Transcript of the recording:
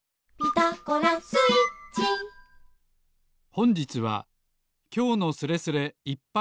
ほんじつは「きょうのスレスレ」いっぱいスペシャル。